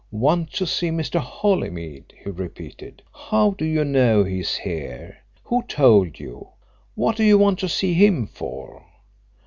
"Want to see Mr. Holymead?" he repeated. "How do you know he's here? Who told you? What do you want to see him for?"